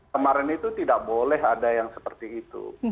kemarin itu tidak boleh ada yang seperti itu